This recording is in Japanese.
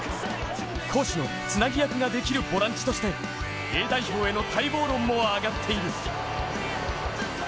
攻守のつなぎ役ができるボランチとしてＡ代表への待望論も上がっている。